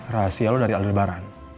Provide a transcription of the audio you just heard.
rahasia lo dari aldebaran